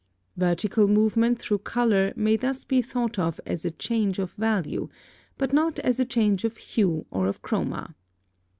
Vertical movement through color may thus be thought of as a change of value, but not as a change of hue or of chroma.